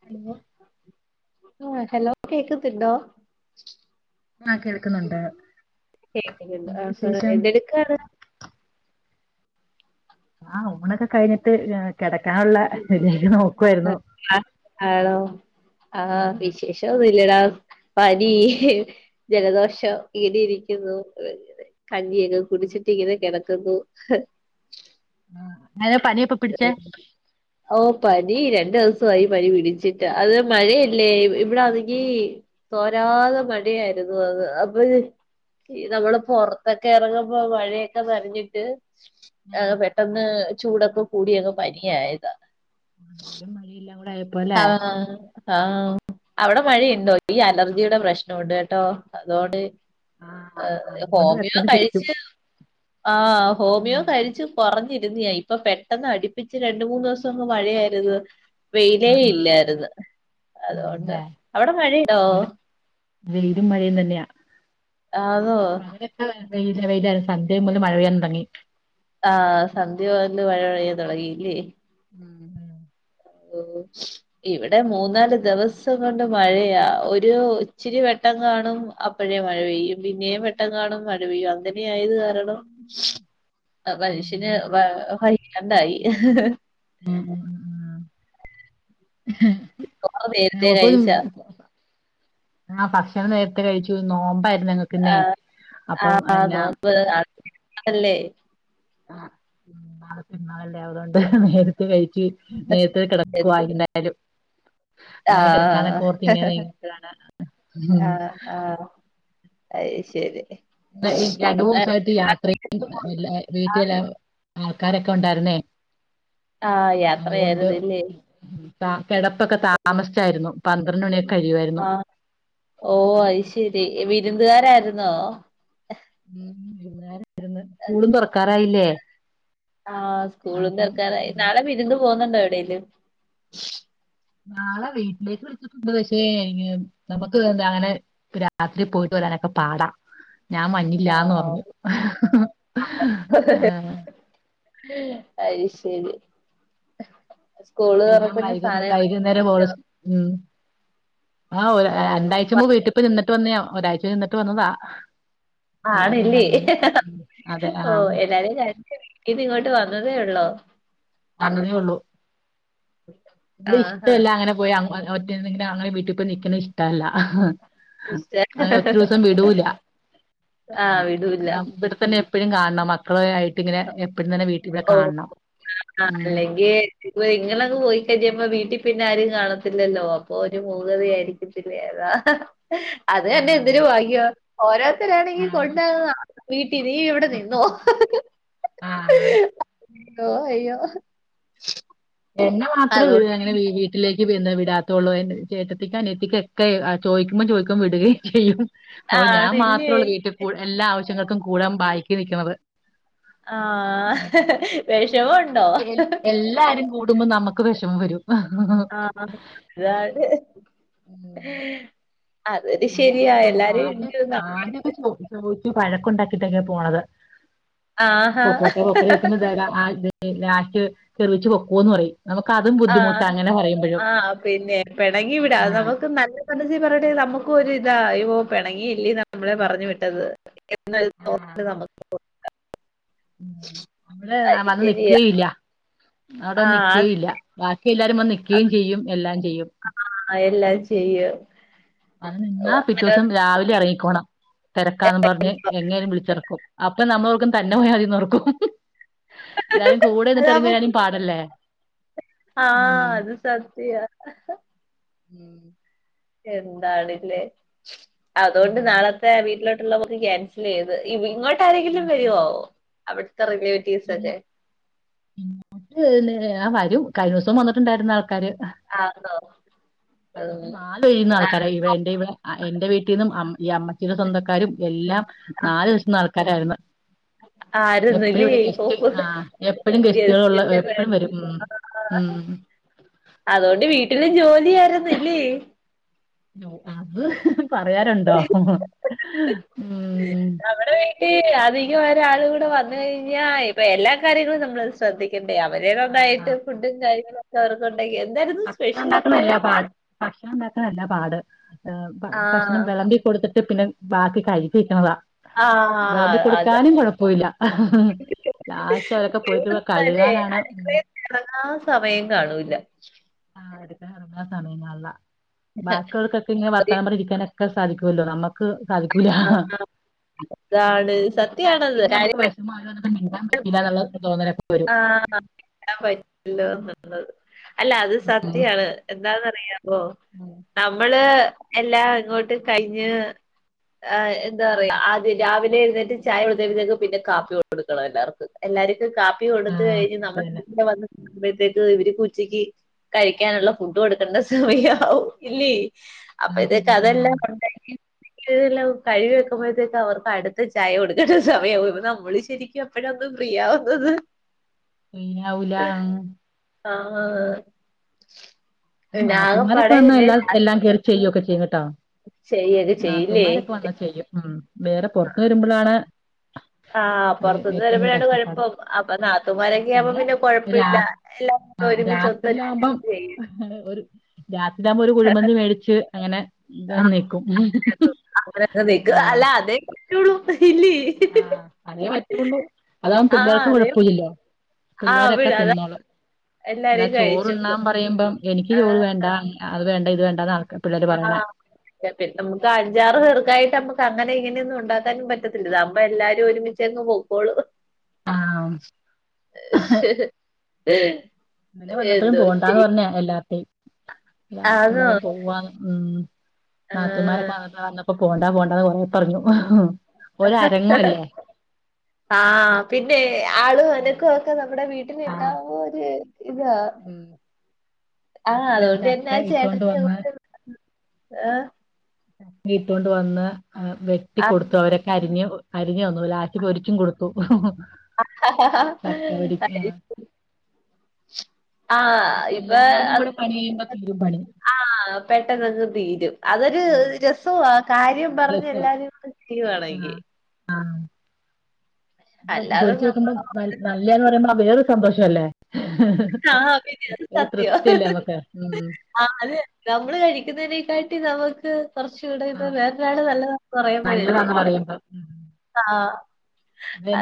[unintelligible] ആഹ് hello കേക്ക്ന്ന്ണ്ടോ? ആഹ് കേൾക്കുന്നുണ്ട്. കേക്കുന്നുണ്ട്. എന്നാ ആഹ് വിശേഷം എന്തെടുക്കാണ്? ആഹ് ഊണൊക്കെ കഴിഞ്ഞിട്ട് കിടക്കാനുള്ള ഇത് നോക്കുവായിരുന്നു ആഹ് ഹലോ ആ ആഹ് വിശേഷം ഒന്നുല്ലെടാ പനി ജലദോഷം ഈടിയിരിക്കുന്നു കഞ്ഞിയൊക്കെ കുടിച്ചിട്ടിങ്ങനെ കെടക്കുന്നു ആ പണിയപ്പൊ ഓ പനി രണ്ട് ദിസമായി പനി പിടിച്ചിട്ട് അത് മഴയല്ലേ ഇവിടാണെങ്കി തോരാതെ മഴയായിരുന്നു അത് അപ്പൊ ഈ നമ്മള് പൊറത്തൊക്കെ എറങ്ങുമ്പ മഴയൊക്കെ നനഞ്ഞിട്ട് ആ അഹ് പെട്ടെന്ന് ചൂടൊക്കെ കൂടിയപ്പൊ പനിയായതാ ചൂടായെപ്പിന്നെ ആതന്നെ ആഹ് അവിടെ മഴയുണ്ടോ ഈ അലർജിയുടെ പ്രശ്നംണ്ട് കേട്ടോ അതോണ്ട് ആ അതുകൊണ്ട് ഹോമിയോ പെട്ടെന്ന് പിടിക്കും കഴിച്ചു ആ ഹോമിയോ ഉം കഴിച്ചു കൊറഞ്ഞിരുന്നയാ ഇപ്പൊ പെട്ടെന്ന് അടിപ്പിച്ച് രണ്ട് മൂന്ന് ദുസം അങ്ങ് മഴയായിരുന്നു വെയിലേ ആ ആ ഇല്ലായിരുന്നു അതുകൊണ്ട് അതെല്ലേ അവിടെ മഴിണ്ടോ ഇവിടെ വെയിലും മഴയും തന്നെയാ ആന്നോ ആഹ് വയില വെയിലായിരുന്നു സന്ധ്യ മുതലെ മഴ പെയ്യാൻ തുടങ്ങി ആഹ് സന്ധ്യ മുതലേ മഴ പെയ്യാന് തുടങ്ങിയല്ലേ ഇവിടെ മൂന്നാല് ദിവസം കൊണ്ട് മഴയാ ഒരു ഇച്ചിരി വെട്ടം കാണും അപ്പൊ അപ്പോഴേ മഴ പെയ്യും പിന്നെയും വെട്ടം കാണും മഴ പെയ്യും അങ്ങനെയായത് കാരണം അതെല്ലേ ഉം മനുഷ്യന് അല്ലേ? വയ്യ വയ്യാണ്ടായി ചോറ് നേരത്തെ കഴിച്ച [unintelligible] ആഹ് ഭക്ഷണം നേരത്തെ കഴിച്ചു നോമ്പായിരുന്നല്ലോ ന്നേ അപ്പം ആ അയിനാ നോമ്പ് അടക്കല്ലേ ആഹ് നാളെ പെരുന്നാളല്ലേ ആതൊണ്ട് നേരത്തെ കഴിച്ച് നേരത്ത് നേരത്തെ. കിടക്കുവായിന്തായാലും ആ അങ്ങനെ കിടക്കാനൊക്കെ ഓർത്ത് ഇങ്ങനെ നിങ്ങാണ് ആഹ് ആഹ് ശ്ശെരി രണ്ടു മൂന്നു ദീസയിട്ട് യാത്രല്ല വീട്ടിലെല്ലാരു ആൾക്കാരൊക്കെ ഉണ്ടായിരുന്നേ ആഹ് യാത്രയായിരുന്നല്ലേ ആഹ് കെടപ്പൊക്കെ താമസിച്ചായിരുന്നു പന്ത്രണ്ട് മണിയൊക്കെ കഴിയുവായിരുന്നു ആ ഓ ഐശ്ശേരി വിരുന്നുകാരായിരുന്നോ സ്കൂളും തൊറക്കാരായില്ലേ ആഹ് സ്കൂളും തൊറക്കാറായി നാളെ വിരുന്ന് പോന്നുണ്ടോ എവിടേലും നാളെ വീട്ടിലേക്ക് വിളിച്ചിട്ടുണ്ട് പക്ഷേ നമുക്ക് എന്താ അങ്ങനെ രാത്രി പോയിട്ട് വരാനൊക്കെ പാടാ ഞാൻ ആ വന്നില്ലന്ന് പറഞ്ഞു ഏഹ് ഐശ്ശെരി സ്കൂള് തൊറ പിന്നെ സാന യ്ക്കുന്നേരംപോകൊള്ളൂ സ് ഉം ആഹ് ഒരു രണ്ടായ്ചമ്പോ വിട്ട് ഇപ്പൊ നിന്നിട്ട് വന്നെയ ഒരാഴ്ച നിന്നട്ട് വന്നതാ. എല്ലാരും ആണില്ലേ കണ്ട് ഉം അതെ ആ ഓഹ് എല്ലാരെയും കണ്ടു ഇത് ഇങ്ങോട്ട് വന്നതേ ഒള്ളോ? വന്നതെയൊള്ളൂ പൊയ്ക്ക ഇ ഇഷ്ടല്ല അങ്ങനെ പോയി ഒറ്റെങ്കില അങ്ങനെ വീട്ടി പോയി നിക്കുന്നെഇഷ്ടല്ല ആഹ് ഇഷ്ട അയിന് ഒത്തിരി ദിവസം വിടൂല ആ വിടൂല. ന്നാഇവിടെത്തന്നെ എ പ്പഴും കാണണം മക്കളെ ആയിട്ട്ങ്ങനെ എപ്പഴും തന്നെ വീട്ടിവ്ടെ കാണം. ആഹ് അല്ലെങ്കി ഏഹ് ഇങ്ങളങ് പോയി കഴിഞ്ഞപ വീട്ടി പിന്നെ ആരും കാണത്തില്ലല്ലോ അപ്പൊ ഒരു മൂകത ആയിരിക്കും. [unintelligible] അത് തന്നെ എന്തൊരു ആഹ് വാഗ്യവാ ഓരോര്ത്തരാണെങ്കി ആഹ് കൊണ്ടന്ന വീട്ടിനീവിടെ നിന്നോ ആഹ് ഓഹ് അയ്യോ എന്നെ മാത്രേ വി അതുകൊണ്ട് അങ്ങനെ വീ വീ വീട്ടിലേക്ക് വിന്ത വിടാത്തുള്ളൂ എന്റെ ചേട്ടത്തിക്ക് അനിയത്തിക്കെക്കെ ചോയിക്കുമ്പോ ചോയ്ക്കുമ്പോ വിടുകയും ചെയ്യും. അപ്പ ഞാൻ ആണില്ലേ മാത്രൊള്ളൂ വീട്ടിപൊ എല്ലാ ആവശ്യങ്ങൾക്കും കൂടാൻ ബായ്ക്കി നിക്ക്ണത്. ആഹ് വെഷമൊണ്ടോ? അപ്പൊ എ എല്ലാരും കൂടുമ്പോ നമക്ക് വെഷമം വരും. ആഹ്, അതായത് ഉം പിന്നെ ചോ ആദ്യ ഉണ്ട് ന ആദ്യൊക്കെ ചോദി ചോയ്ച്ചു വഴക്ക് ഉണ്ടാക്കിട്ടൊക്കെ പോണത് ആഹാ പ്പൊകോട്ടെ പൊക്കോ കൊക്കറെക്കുമ്പ തരാ ആഹ് ലാസ്റ്റ് ചെറിച്ച് പൊക്കോന്ന് പറയും നമുക്ക് അതും ബുദ്ധിമുട്ടാ ആഹ് അങ്ങനെ പറയുമ്പോഴും ആഹ് പിന്നെ പെണങ്ങി വിടാ അത് ആഹ് നമുക്ക് നല്ല സത്യത്തി പറയട്ടെ നമുക്കൊരു ഇത അയ്യോ പെണങ്ങിയില്ലേ നമ്മളെ പറഞ്ഞു വിട്ടത് എന്നൽ ആഹ് തോണ്ട് നമുക്ക് കൊട്ക്ക ഉം നമ്മള് അത് വന്ന് ശരിയാ നികേയില്ല്യ അവിട ആഹ് നിക്കേയില്ല ബാക്കി എല്ലാരും വന്ന്നിക്കേം ചെയ്യും എല്ലാം ചെയ്യും ആഹ് എല്ലാം ചെയ്യും. അന്ന് ഓ, നിന്നാ അങ്ങനെ പിറ്റോസം രാവിലെ ഇറങ്ങിക്കോണം തെരക്കാന്ന് പറഞ്ഞ് എങ്ങേനും വിളിച്ചെറക്കും അപ്പൊ നമ്മ ഓർക്കും തന്നെ പോയാതിന്നോർക്കും. എല്ലാരും കൂടെന്ന്ട്ട് അതാവുമ്പോ എറങ്ങ്യരാനും പാടല്ലേ? ആഹ് ഉം അത് സത്യാ ഉം എന്താണില്ലേ അതുകൊണ്ട് നാളത്തെ വീട്ടിലോട്ട് ഇള്ള പോക്ക് കേൻസലെയ്ത് ഇങ്ങോട്ടാരെങ്കിലും വരുവോ അവിടത്തെ റി ഉം ഉം ആഹ് വരും കഴിഞ്ഞുസം വന്നിട്ടുണ്ടായിര്ന്നു ആൾക്കാര് ആന്നോ കഴിഞ്ഞ ഉം ദിവസം നാല് വിരുന്ന് ആൾക്കാരായി എന്റെ ഇവളെ എന്റെ വീട്ടിന്നും അമ്മ ഈ അമ്മച്ചിയുടെ സ്വന്തക്കാരും എല്ലാം നാല് വശ്തിന്നൾക്കാരായ്രുന്നു. ആരുന്ന് ആ [unintelligible] എപ്പഴും ഗസ്റ്റുകളുള്ള എപ്പഴും വരും ഉം അതുകൊണ്ട് വീട്ടിലും ജോലി ആരുന്നില്ലേ? നോ അത് പറയാരുണ്ടോ ഉം ഏയ് അത് ഇയൊരാള് കൂടെ വന്ന് കഴിഞ്ഞാ ഇപ്പൊ എല്ലാ കാര്യങ്ങളും നമ്മൾ സ് ശ്രദ്ധിക്കെണ്ടേ അവരെ ആ നന്നായിട്ട് ഫുഡും കാര്യങ്ങളൊക്കെ അവർക്കുണ്ടെങ്കി എന്തായ്രുന്നു സ്പെഷ്യൽ ഒക്കെ. ഭക്ഷണംണ്ടാക്കനല്ല പാട് ഏഹ് ഭ ഭക്ഷണം ആഹ് വെളമ്പി കൊടുത്തിട്ട് പിന്നെ ബാക്കി കഴപ്പിക്കണതാ വെളമ്പി ആഹ് അതാ കൊടുക്കാനും കൊഴപ്പൂല്ല ലാസ്റ്റ് അവരൊക്കെ പോയിട്ടടെ കഴുകാനാണ് ഇറങ്ങാ സമയം കാണൂല്ല ആഹ് എടുക്ക അറഞ്ഞാ സമയങ്ങളല്ല ബാക്കിള്ളോർക്കൊക്കെ ങ്ങനെ ഒരു- വർത്താനം പറഞ്ഞിരിക്കാനൊക്കെ സാധിക്കൊല്ലോ നമ്മക്ക് സാധിക്കൂല്ല ഇതാണ് സത്യാണത് കാര്യ നമ്മ ആരു വന്നിട്ടും മിണ്ടാൻ പറ്റീല ന്ന്ള്ള തോന്നല് അപ്പ വരും ആഹ് മിണ്ടാൻ പറ്റില്ലാന്ന്ള്ളത് അല്ല അത് സത്യാണ് എന്താന്നറിയാ ബോ ഉം നമ്മള് എല്ലാം ഇങ്ങോട്ട് കയ്ഞ്ഞ് ആഹ് എന്താ ഉം റയാ അതി രാവിലെ എഴുന്നേറ്റ് ചായ ഒടുതെക്ക് പിന്നെ കാപ്പി കൊടുക്കണം എല്ലാർക്കും എല്ലാർക്കും കാപ്പി കൊടുത്ത് ആഹ് കഴിഞ്ഞ് അതന്നെ നമ്മൾ അത് തന്നെ, ഗ്രൂപ്പിൽ വന്ന് പഴത്തേക്ക് ഇവര് കുച്ചിക്ക് കഴിക്കാനുള്ള ഫുഡ് കൊടുക്കേണ്ട സമയാവും ഇല്ലേ അത് അപ്പൊതേക്ക് ശരിയാ ആഹ് അതെല്ലാം ഉണ്ടാക്കി ല്ല കഴിവി വെക്കുമ്പഴത്തേക്ക്‌ അവർക്കടുത്ത ചായ കൊടുക്കേണ്ട സമയാവും ഇപ്പ നമ്മള് ശരിക്കും പ്പഴാ ഒന്ന് ഫ്രീയാവുന്നത് പിയാവൂല ആഹ് പിന്നെ നാത്തൂമാരൊക്കെ ആകപ്പാടെ വന്ന എന്നെ എല്ലാം എല്ലാം കയറി ചെയ്യൊക്കെ ചെയ്യും കെട്ടോ ചെയ്യൊക്കെ ചെയ്യില്ലേ നാത്തൂമാരൊക്കെ വന്നാ ചെയ്യും ഉം വേറെ പൊറത്ത് വരുമ്പളാണ് ആഹ് പൊറത്തുന്ന് വരുമ്പഴാണ് കുഴപ്പം അപ്പൊ നാത്തൂമാരൊക്കെ ആവുമ്പം പിന്നെ രാ കൊഴപ്പില്ല എല്ലാ ഒരുമിച്ച് ഒത്തൊരുമിച്ച് രാത്രിലാകുമ്പം ചെയ്യും ഒരു രാത്രിയാവുമ്പോ ഒരു കുഴിമന്തി മേടിച്ച് അങ്ങനെ ഇത നിക്കും അങ്ങനൊക്കെ അങ്ങനൊക്കെ നിക്ക് ആഹ് അല്ല അതേ പറ്റുള്ളൂ ഇല്ലീ ആഹ് അതേ പറ്റുള്ളൂ അതാവുമ്പോ ആഹ് പിള്ളേർക്ക് അതേ കുഴപ്പല്ല്യല്ലോ ആഹ് പിള്ളേരക്കെ അവിടെ അതാ തിന്നോളും ല്ല എല്ലാരും ചോറ് കഴിച്ചോളും ണ്ണാൻ പറയുമ്പം എനിക്ക് ചോറ് വേണ്ട അത് വേണ്ട ഇത് വേണ്ട ഇആ പി നമുക്ക് അഞ്ചാറ് പേർക്കായിട്ട് മ്മക്ക് അങ്ങനി ഇങ്ങനി യൊന്നും ഉണ്ടാക്കാനും പറ്റത്തില്ലതാാവുമ്പോ എല്ലാരും ഒരുമി ചങ്ങ് പോക്കോളൂ ആഹ് ഇന്നലെ വന്നപ്പോഴും പോണ്ടാന്ന് പറഞ്ഞ എല്ലാതേം എല്ല ആന്നോ എല്ലാരും പോവ്വാന്ന് ഉം ആഹ് നാത്തൂമാരൊക്കെ വന്ന വന്നപ്പോ പോണ്ട പോണ്ടന്ന് കൊറേ പറഞ്ഞു ഒര രങ്ങു ല്ലേ ആഹ് പിന്നെ ആളും അനക്ക ഒക്കെ നമ്മടെ വീട്ടിലുണ്ടാവോ ഒര് ഇതാ ഉം ആ ചക്ക അതുകൊണ്ട് ന്നെ ചക്ക ആ ഇട്ടോണ്ട് ചേട്ടത്തി വന്ന് ങ്ങട് ആഹ് വീട്ടുകൊണ്ട് വന്ന് വെട്ടിക്കൊടുത്തു ആഹ് അവരൊക്കെ അരിഞ്ഞ് അരിഞ്ഞു തന്നു ലാസ്റ്റ് പൊരിച്ചും കൊടുത്തു അ ഹ ഹ ഹ ചക്ക ഹ പൊരിക്ക ഹ ആഹ് ഇപാ അത് ഇപണി ആഹ് പെട്ടെന്നങ്ങ് തീരും അതൊരു ആഹ് രസ് ഓഹ് കാര്യം പറഞ്ഞ് രസാ എല്ലാരെട്ത്തും ചെയ്യാണെങ്കി ആഹ് അല്ലാതെ പൊരിച്ചു നമ്മള് വെക്കുമ്പോംനൽ നല്ലന്ന് പറയുമ്പോ വേറൊരു സന്തോഷല്ലേ ആഹ് പിന്നെ അത് ഒരു സത്യവാ തൃപ്തിയല്ലേ നമ്മക്ക് ഉം ആഹ് അതെ നമ്മള് കഴിക്കുന്നതിനേക്കാട്ടി നമുക്ക് കുറച്ച് കൂടെ ആ, ഇത് വേറൊരാള് നല്ലത കൊറെ പേയല്ലേ നല്ലതാന്ന് പറയുമ്പോ ആഹ്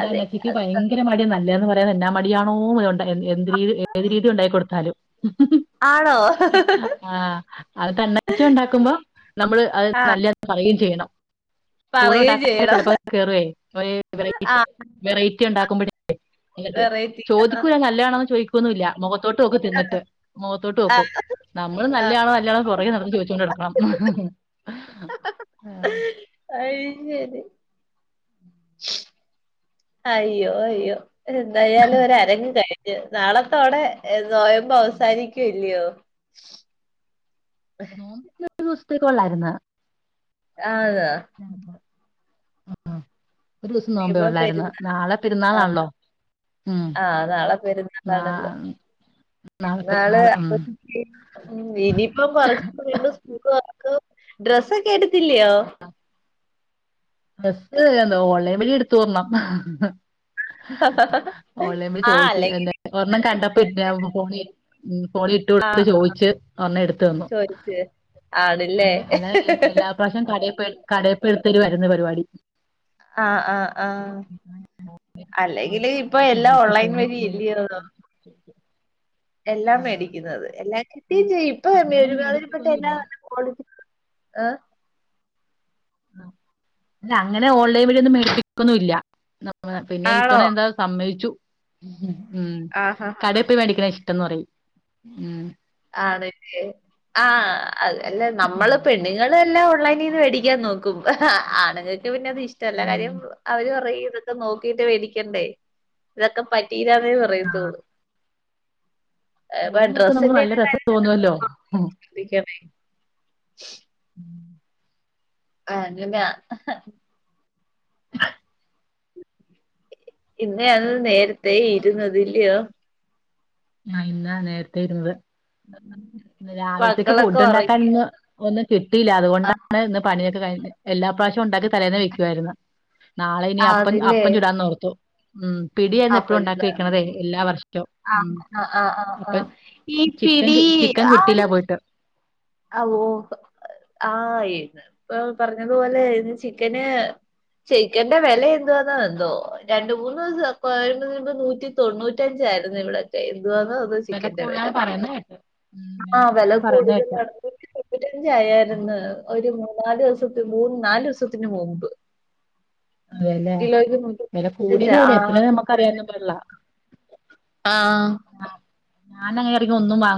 അതെ ഭയങ്ങി ഭങ്കര മടി നല്ലതന്ന് പറയാൻ എല്ലാ മടിയാണോ ണ്ട് എൻ എന്ത് എന്ത് രീതി ഉണ്ടാക്കി കൊടുത്താലും ആണോ ആ അത് തന്നാച്ച ഒണ്ടാക്കുമ്പോ നമ്മള് അത് ആഹ് നല്ലയാന്ന് പറയകയും ചെയ്യണം കൂടെ പറയുകയും ഉണ്ടാക്കാനക്കെ ചെയ്യണം ചെലപ്പക്കെ കേറുവേ വെറൈറ്റി ആഹ് വെറൈറ്റി ഇണ്ടാക്കുമ്പോഴേ എന്നട്ട് വെറൈറ്റി ആഹ് ചോദിക്കൂല നല്ലയാണോന്ന് ചോദിക്കൊന്നുയില്ല മൊഖ ത്തോട്ട് നോക്കും തിന്നിട്ട് മൊഖത്തോട്ട് നോക്കും ആഹ് നമ്മള് ആഹ് നല്ലയാണോ നല്ലയാണോ പോറേ നടന്ന് ചോദിച്ചോണ്ട് നടക്കണം അയ്ശരി അയ്യോ അയ്യോ എന്തായാലും ഒരരങ്ങി കഴി നാളത്തോടെ ഏ നോയമ്പ് അവസാനിക്കൂല്ലിയോ നോമ്പ് ഒരുസത്തേക്ക് ഒള്ളായിരുന്ന ആ തെ ആ ആ ഒരുസം നോമ്പേ ഇനിയിപ്പോ ഒള്ളായിരുന്നു നാളെ പെരുന്നാളാണല്ലോ ഉം ആ നാളെ നാ പെരുന്നാളാണല്ലോ നാളെ പെരുന്നാള് ഉം ഇനിയിപ്പം [unintelligible] വീണ്ടും ഡ്രസ്സെക്കെ എടുത്തില്ലയോ ഡ്രസ് എന്ത് ഓൺലൈൻ വഴി എടുത്തൊരെണ്ണം ഓൺലൈൻ വഴി ആഹ് ചോദിച്ച് അല്ലെങ്കില് എന്താ ഒരെണ്ണം കണ്ടപ്പ ഫോണി മ്മ് ഫോണിലിട്ട് കൊടുത്ത് ആഹ് ചോദിച്ച് ഒരെണ്ണം എടുത്തു തന്നു ചോദിച്ച് ആണില്ലേ ഇപ്രാവശ്യം കടെ പോയി കടെ പോയി എടുത്തു തരുവാരുന്ന് പരിപാടി ആ ആ ആ അല്ലെങ്കില് ഓൺലൈനിൽ ഇപ്പ കണ്ടപ്പോ എല്ലാം ചോദിച്ചു ഓൺലൈൻ ഫോണിൽ വഴി എല്ലയോ എല്ലാം മേടിക്കുന്നത് എല്ലാം കിട്ടു അങ്ങനെ ചെയ്യും ഇപ്പ അങ്ങനെ ഒരുമാതിരിപ്പെട്ട എല്ലാ മേടിപ്പിക്കൊന്നുമില്ല കോളേജ് ആ അല്ല അങ്ങനെ ഓൺലൈൻ വഴിയൊന്നും മേടിപ്പിക്കുന്നല്ല പിന്നെ ആണോ? ഇത്തവണ എന്താ സമ്മയിച്ചു മ്മ് ആഹാഹാ. കടെപ്പോയി മേടിക്കണ ഇഷ്ടംന്ന് പറയും മ്മ് ആണല്ലേ ആ അത് അല്ല നമ്മള് പെണ്ണുങ്ങളെല്ലാം ഓൺലൈനിന്ന് മേടിക്കാൻ നോക്കും ആണുങ്ങ പിന്നെ അത് ഇഷ്ടല്ല കാര്യം ഉം അവര് പറയും ഇതൊക്കെ നോക്കിട്ട് വേടിക്കണ്ടേ ഇതൊക്കെ പറ്റിയിരാന്നെ പറയത്തോള്ളൂ ഫോണ് നോക്കുമ്പോ നമുക്ക് നല്ല രസം കാര്യത്തിൽ തോന്നുവല്ലോ [unintelligible] ആ അങ്ങന ഇന്നേ അത് നേരത്തെേ ഇരുന്നത് ഇല്ലിയോ ആ ഇന്നാ നേരത്തെ ഇരുന്നത് രാവിലത്തേക്ക് മക്കളൊക്കെ ഫുഡുണ്ടാക്കാൻ ഒറങ്ങി. ഇന്ന് ഒന്നും കിട്ടിയില്ല ആഹ് അതുകൊണ്ടാണ് ഇന്ന് പണിയൊക്കെ കഴിഞ്ഞ് എല്ലാ പ്രാവശ്യവുണ്ടാക്കി തലേന്നെ വെക്കുവായിരുന്ന് നാളെ ഇനി അപ്പം ആന്നില്ലേ? അപ്പം ചൂടാന്നോർത്തു മ്മ് പിടിയാണേ എപ്പഴും അപ്പഴും ഉണ്ടാക്കി വെക്കണതേ എല്ലാ വർഷവും ആഹ് മ്മ് ആഹ് ആഹ് അപ്പം ആഹ്. ഈ പിടി [unintelligible] കിട്ടില്ല പോ ഔ ആ ഇതിപ്പം പറഞ്ഞതുപോലെ ഇന്ന് ചിക്കന് ചിക്കൻ്റെ വെല എന്തുവാന്നോയെന്തോ രണ്ട് മൂന്നുസം [unintelligible] നൂറ്റി തൊണ്ണൂറ്റഞ്ചായിരുന്നു ഇവിടക്കെ എന്തുവാന്നോ വെല കൂടുതലാന്ന് പറയുന്ന കേട്ട് ഉം ആ വില വെല കൂടുതലാന്ന് പറയുന്ന കേട്ട് കൂടുതലാണ് ഇവിടെ ഉം അഞ്ചായായിരുന്ന് ഒരു മൂന്നാലുസത്തി മൂന്ന് നാലുസത്തിന് മുമ്പ് അതെല്ലേ കിലോയ്ക്ക് നൂറ്റി വെല തൊണ്ണൂറ്റഞ്ച് കൂടിയെന്ന് പറഞ്ഞ് എത്ര ആഹ് നമ്മക്കറിയാൻ പാടില്ല ആഹ് ഞാനങ്ങേർക്ക് ഒന്നും വാ